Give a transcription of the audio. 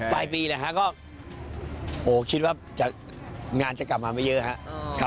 ปลายปีนะฮะก็คิดว่างานจะกลับมาไม่เยอะครับ